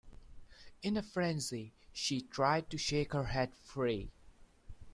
In a frenzy she tried to shake her head free.